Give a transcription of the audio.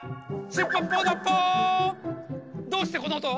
どうしてこのおとを？